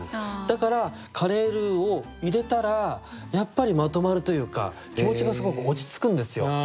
だからカレールーを入れたらやっぱりまとまるというか気持ちがすごく落ち着くんですよ。